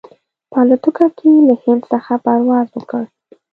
په الوتکه کې یې له هند څخه پرواز وکړ.